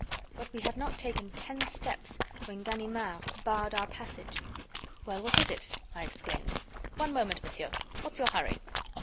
But we had not taken ten steps when Ganimard barred our passage. "Well, what is it?" I exclaimed. "One moment, monsieur. What's your hurry?"